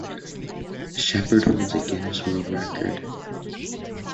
Shephard holds a Guinness World Record.